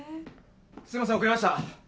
すいません遅れました。